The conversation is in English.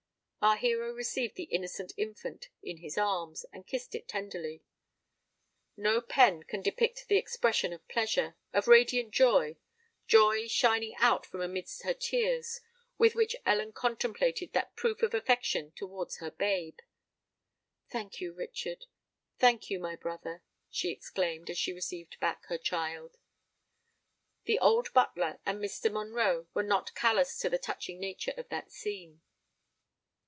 Our hero received the innocent infant in his arms, and kissed it tenderly. No pen can depict the expression of pleasure—of radiant joy,—joy shining out from amidst her tears,—with which Ellen contemplated that proof of affection towards her babe. "Thank you, Richard—thank you, my brother," she exclaimed, as she received back her child. The old butler and Mr. Monroe were not callous to the touching nature of that scene.